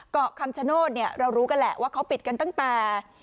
เกาะคำชโนธเรารู้กันแหละว่าเขาปิดกันตั้งแต่